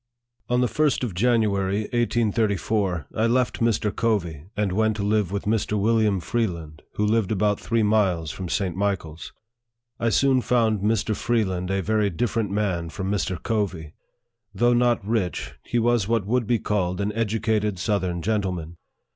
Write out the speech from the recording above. On the first of January, 1834, I left Mr. Covey, and went to live with Mr. William Freeland, who lived about three miles from St. Michael's. I soon found Mr. Freeland a very different man from Mr. Covey. Though not rich, he was what would be called an educated southern gentleman.